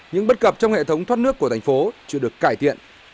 những bất cập trong hệ thống thoát nước của thành phố chưa được cải thiện